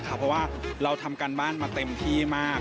เพราะว่าเราทำการบ้านมาเต็มที่มาก